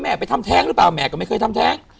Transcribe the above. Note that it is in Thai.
ไปทำแท้งหรือเปล่าแม่ก็ไม่เคยทำแท้ง